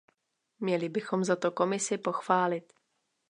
Měli bychom za to Komisi pochválit.